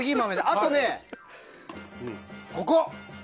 あとね、ここ。